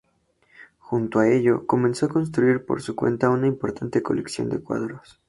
Junto a ello, comenzó a constituir, por su cuenta, una importante colección de cuadros.